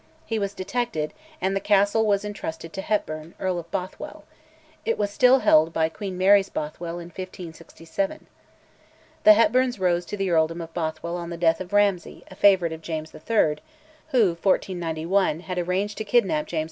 He was detected, and the castle was intrusted to a Hepburn, Earl of Bothwell; it was still held by Queen Mary's Bothwell in 1567. The Hepburns rose to the earldom of Bothwell on the death of Ramsay, a favourite of James III., who (1491) had arranged to kidnap James IV.